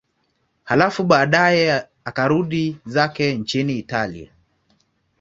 Halafu baadaye akarudi zake nchini Italia.